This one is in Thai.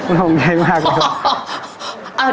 หลงใหณ่มากนะครับ